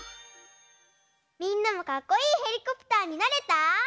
みんなもかっこいいペリコプターになれた？